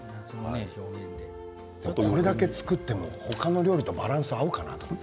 これだけ作っても他の料理とバランスが合うかなと。